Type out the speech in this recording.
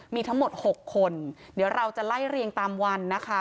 มีทั้งหมด๖คนเดี๋ยวเราจะไล่เรียงตามวันนะคะ